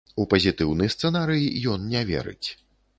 У пазітыўны сцэнарый ён не верыць.